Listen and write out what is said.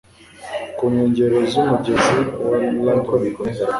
ku nkengero z'umugezi wa Lagan